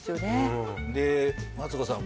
うんでマツコさん